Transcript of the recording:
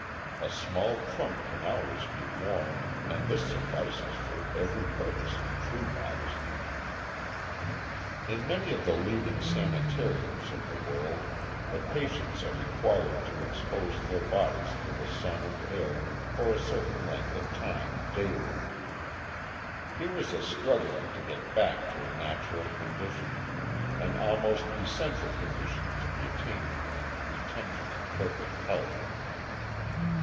A small trunk can always be worn and this suffices for every purpose of true modesty. [Illustration: A NUDE HOPI SPINNING WOOL FOR THE MAKING OF A DRESS FOR HIS WIFE.] In many of the leading sanitariums of the world the patients are required to expose their bodies to the sun and air for a certain length of time daily. Here is a struggling to get back to a natural condition, an almost essential condition to the attainment and retention of perfect health.